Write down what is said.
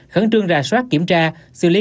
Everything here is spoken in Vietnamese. khẩn trương ra soát kiểm tra xử lý